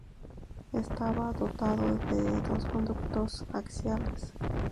Estaba dotado de dos conductos axiales.